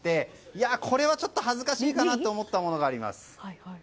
いや、これはちょっと恥ずかしいかなと思ったものがあります。